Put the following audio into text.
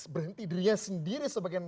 berhenti dirinya sendiri sebagai